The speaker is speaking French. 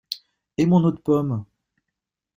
Et mon eau de pommes!